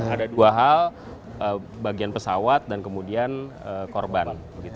ada dua hal bagian pesawat dan kemudian korban